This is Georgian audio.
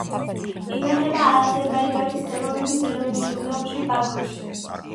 ინახება აზერბაიჯანის ხელოვნების ეროვნული მუზეუმში, ბაქოში.